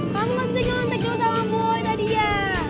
kamu gak bisa nyontek dulu sama boy tadi ya